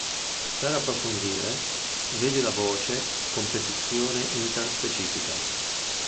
Per approfondire, vedi la voce Competizione interspecifica.